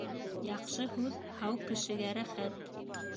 Яҡшы һүҙ һау кешегә рәхәт